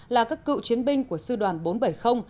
là các cựu chiến binh của sư đoàn bốn trăm bảy mươi đã có nhiều đoạn